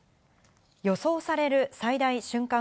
予想される最大瞬間